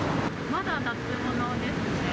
まだ夏物ですね。